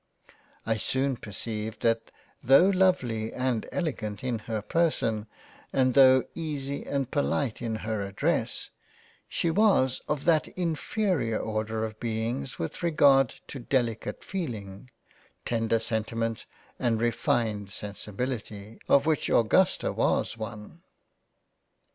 I soon perceived that tho* Lovely and Elegant in her Person and tho' Easy and Polite in her Address, she was of that in ferior order of Beings with regard to Delicate Feeling, tender Sentiments, and refined Sensibility, of which Augusta was one.